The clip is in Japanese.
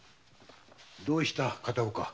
どうした片岡？